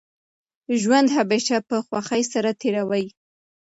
ژوند همېشه په خوښۍ سره تېروئ!